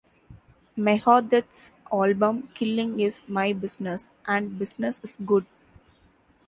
Megadeth's album Killing Is My Business...And Business Is Good!